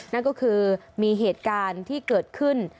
นั่นก็คือมีเหตุการณ์ที่เกิดขึ้น